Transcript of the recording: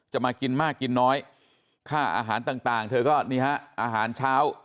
มากินมากกินน้อยค่าอาหารต่างเธอก็นี่ฮะอาหารเช้า